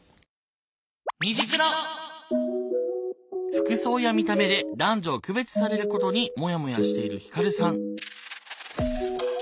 服装や見た目で男女を区別されることにモヤモヤしているひかるさん。